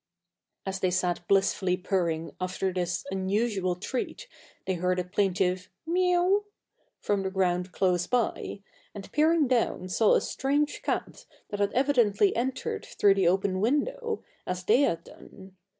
As they sat blissfully purring after this unusual treat they heard a plaintive "Mew" from the ground close by, and peering down saw a strange cat that had evidently entered through the open window, as they had done.